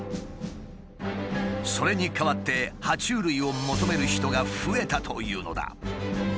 それに代わっては虫類を求める人が増えたというのだ。